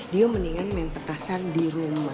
dia mendingan main petasan di rumah